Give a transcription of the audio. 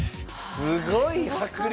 すごい迫力！